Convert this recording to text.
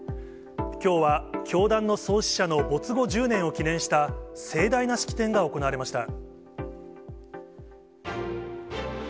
きょうは教団の創始者の没後１０年を記念した盛大な式典が行われました。